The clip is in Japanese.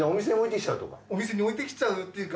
お店に置いてきちゃうっていうか。